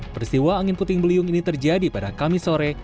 peristiwa angin puting beliung ini terjadi pada kamis sore